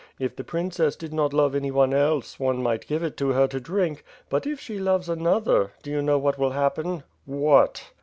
If the princess did not love anyone else, one might give it to her to drink; but, if she loves another — do you know what will happen?" "What?"